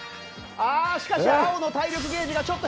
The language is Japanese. しかし青の体力ゲージがちょっと減ってきた。